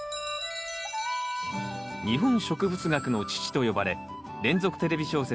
日本植物学の父と呼ばれ連続テレビ小説